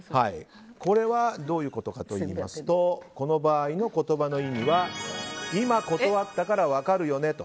これはどういうことかといいますとこの場合の言葉の意味は今断ったから分かるよね。